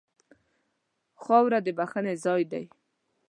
خاوره د بښنې ځای ده.